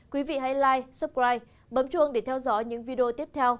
quý vị hãy like subscribe bấm chuông để theo dõi những video tiếp theo